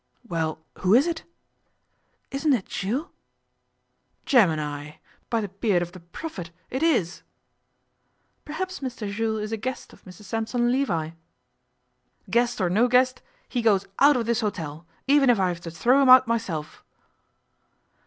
'Well, who is it?' 'Isn't it Jules?' 'Gemini! By the beard of the prophet, it is!' 'Perhaps Mr Jules is a guest of Mrs Sampson Levi.' 'Guest or no guest, he goes out of this hotel, even if I have to throw him out myself.